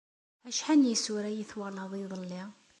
Acḥal n yisura ay twalaḍ iḍelli?